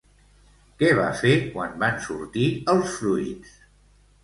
Què va fer quan van sortir els fruits?